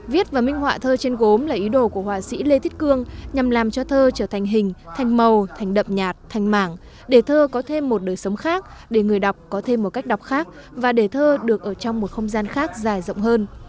viết và minh họa thơ trên gốm là ý đồ của họa sĩ lê thiết cương nhằm làm cho thơ trở thành hình thành màu thành đậm nhạt thành mảng để thơ có thêm một đời sống khác để người đọc có thêm một cách đọc khác và để thơ được ở trong một không gian khác dài rộng hơn